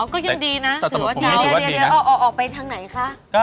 อ๋อก็ยังดีนะถือว่าดีนะอ๋อออกไปทางไหนคะ